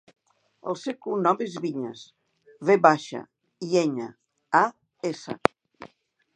El seu cognom és Viñas: ve baixa, i, enya, a, essa.